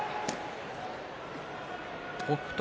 北勝